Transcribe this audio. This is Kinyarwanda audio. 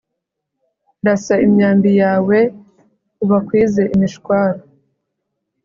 rasa imyambi yawe ubakwize imishwaro